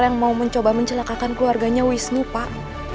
yang mau mencoba mencelakakan keluarganya wisnu pak